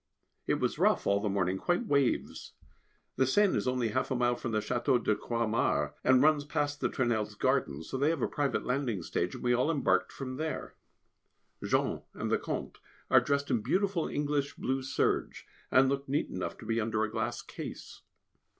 It was rough all the morning, quite waves. The Seine is only half a mile from the Château de Croixmare, and runs past the Tournelles' garden, so they have a private landing stage, and we all embarked from there. Jean and the Comte are dressed in beautiful English blue serges, and look neat enough to be under a glass case.